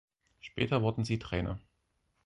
Später wurden sie Trainer.